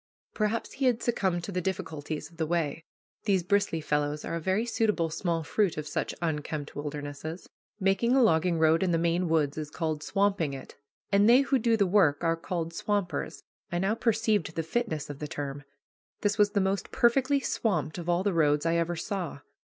Perhaps he had succumbed to the difficulties of the way. These bristly fellows are a very suitable small fruit of such unkempt wildernesses. Making a logging road in the Maine woods is called "swamping" it, and they who do the work are called "swampers." I now perceived the fitness of the term. This was the most perfectly swamped of all the roads I ever saw.